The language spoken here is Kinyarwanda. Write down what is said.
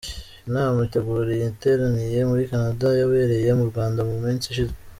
Inama itegura iyi iteraniye muri Canada yabereye mu Rwanda mu minsi ishize.